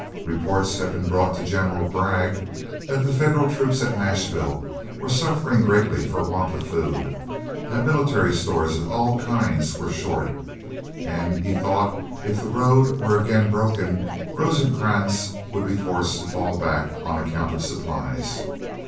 Reports had been brought to General Bragg that the Federal troops at Nashville were suffering greatly for want of food; that military stores of all kinds were short; and he thought if the road were again broken, Rosecrans would be forced to fall back on account of supplies.